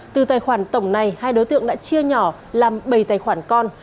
từ tài khoản tổng này hai đối tượng đã chia nhỏ làm bảy tài khoản con